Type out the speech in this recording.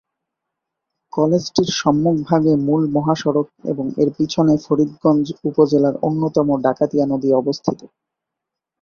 কলেজটির সম্মুখভাগে মূল মহাসড়ক এবং এর পিছনে ফরিদগঞ্জ উপজেলার অন্যতম ডাকাতিয়া নদী অবস্থিত।